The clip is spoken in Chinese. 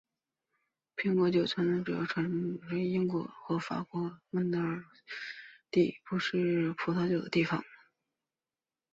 苹果酒传统主要产于英国南部和法国西北诺曼底不适宜种植葡萄的地方。